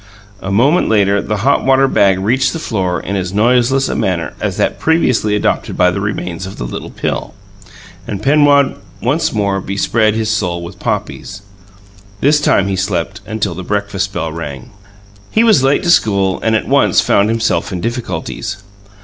A moment later the hot water bag reached the floor in as noiseless a manner as that previously adopted by the remains of the little pill, and Penrod once more bespread his soul with poppies. This time he slept until the breakfast bell rang. He was late to school, and at once found himself in difficulties.